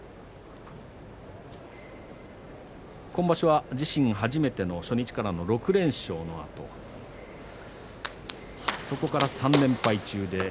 今場所は、自身初めての初日からの６連勝のあとそこから３連敗中です。